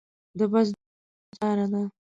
د بس دوه ساعته لاره ده.